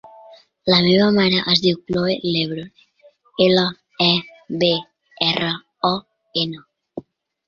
La meva mare es diu Chloe Lebron: ela, e, be, erra, o, ena.